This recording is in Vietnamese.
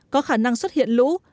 có khả năng xuất hiện lũ